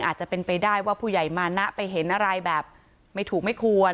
อาจจะเป็นไปได้ว่าผู้ใหญ่มานะไปเห็นอะไรแบบไม่ถูกไม่ควร